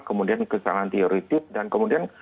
kemudian kesalahan teoretik dan kemudian